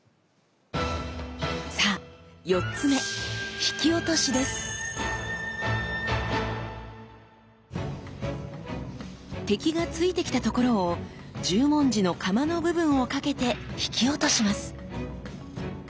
さあ４つ目敵が突いてきたところを十文字の鎌の部分を掛けて引き落とします。